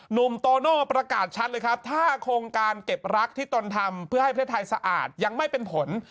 หนุ่มโตโน่ประกาศชัดเลยครับถ้าโครงการเก็บรักที่ตนทำเพื่อให้ประเทศไทยสะอาดยังไม่เป็นผล